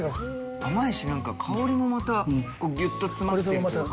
甘いし、なんか香りもまたぎゅっと詰まってるというか。